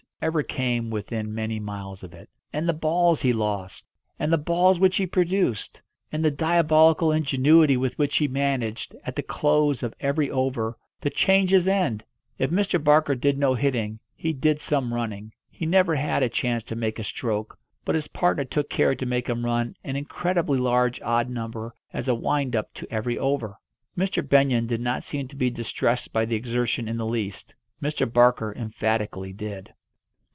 's" ever came within many miles of it. And the balls he lost! And the balls which he produced! And the diabolical ingenuity with which he managed, at the close of every over, to change his end! If Mr. Barker did no hitting, he did some running. He never had a chance to make a stroke, but his partner took care to make him run an incredibly large odd number as a wind up to every over. Mr. Benyon did not seem to be distressed by the exertion in the least; Mr. Barker emphatically did.